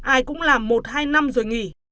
ai cũng làm một hai năm rồi nghỉ